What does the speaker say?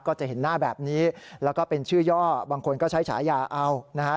ก็จะเห็นหน้าแบบนี้แล้วก็เป็นชื่อย่อบางคนก็ใช้ฉายาเอานะฮะ